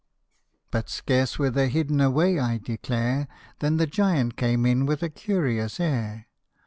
" But scarce were they hidden away, I declare, Than the giant came in with a curious air.